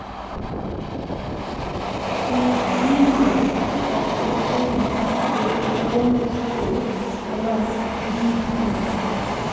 He dreamed of opening his own store along these lines.